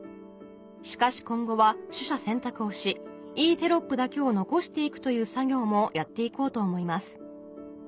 「しかし今後は取捨選択をしいいテロップだけを残していくという作業もやっていこうと思います」